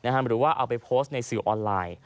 หรือว่าเอาไปโพสต์ในสื่อออนไลน์